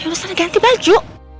ya udah sana ganti baju